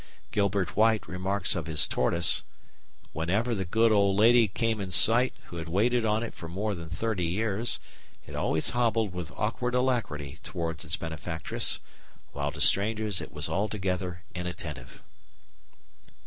Gilbert White remarks of his tortoise: "Whenever the good old lady came in sight who had waited on it for more than thirty years, it always hobbled with awkward alacrity towards its benefactress, while to strangers it was altogether inattentive."